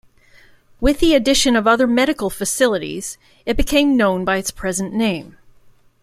With the addition of other medical facilities, it became known by its present name.